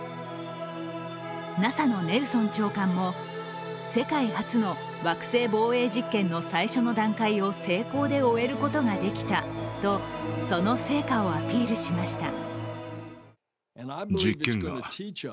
ＮＡＳＡのネルソン長官も世界初の惑星防衛実験の最初の段階を成功で終えることができたとその成果をアピールしました。